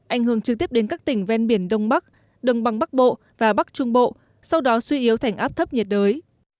ảnh hưởng trực tiếp đến các tỉnh ven biển đông bắc đồng bằng bắc bộ và bắc trung bộ sau đó suy yếu thành áp thấp nhiệt đới